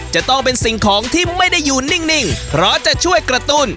จะต้องเป็นสิ่งของที่ไม่ได้อยู่นิ่งเพราะจะช่วยกระตุ้น